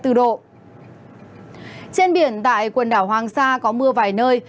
trên biển tại quần đảo hoàng sa có mưa vài nơi